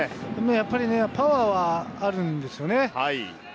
やっぱりパワーはあるんですよね。